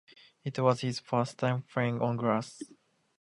It was his first time playing on grass.